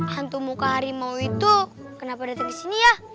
hantu muka harimau itu kenapa datang ke sini ya